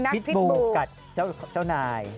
พิษบูกัดเจ้านาย